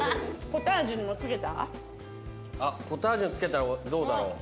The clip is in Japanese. ポタージュにつけたらどうだろう？